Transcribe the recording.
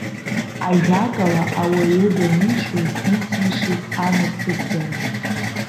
Ажәакала, ауаҩы данишоз ицишеит анасыԥдара.